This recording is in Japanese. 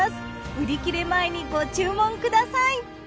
売り切れ前にご注文ください。